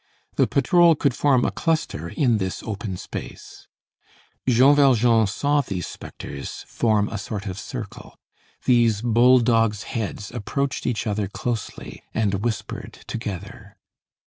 The patrol could form a cluster in this open space. Jean Valjean saw these spectres form a sort of circle. These bull dogs' heads approached each other closely and whispered together.